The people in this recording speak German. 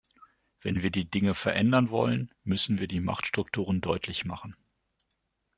Wenn wir die Dinge verändern wollen, müssen wir die Machtstrukturen deutlich machen.